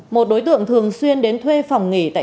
một đối tượng thường xuyên đến thuê phòng nghỉ